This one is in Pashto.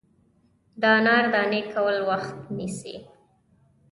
د انار دانې کول وخت نیسي.